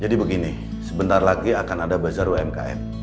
jadi begini sebentar lagi akan ada bazar umkm